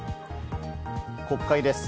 国会です。